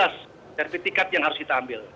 safety card yang harus kita ambil